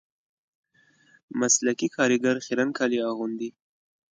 مسلکي کاریګر خیرن کالي اغوندي